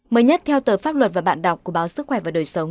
mới nhất theo tờ pháp luật và bạn đọc của báo sức khỏe và đời sống